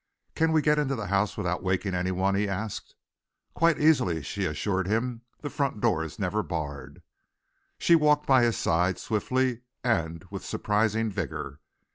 "Can we get into the house without waking any one?" he asked. "Quite easily," she assured him. "The front door is never barred." She walked by his side, swiftly and with surprising vigour.